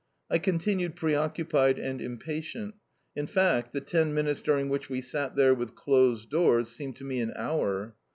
I continued preoccupied and impatient. In fact, the ten minutes during which we sat there with closed doors seemed to me an hour.